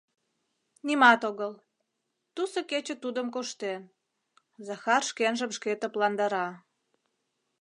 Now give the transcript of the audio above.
«Нимат огыл... тусо кече тудым коштен, — Захар шкенжым шке тыпландара.